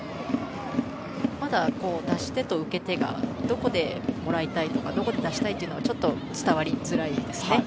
まだ出し手と受け手がどこでもらいたいとかどこで出したいのかが伝わりずらいですね。